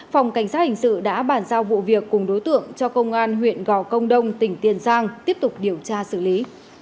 phòng cảnh sát hình sự đã bàn giao vụ việc cùng đối tượng cho công an huyện gò công đông tỉnh tiền giang tiếp tục điều tra xử lý